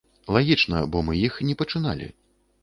Лагічна, бо мы іх не пачыналі.